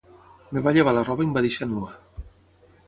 Em va llevar la roba i em va deixar nua.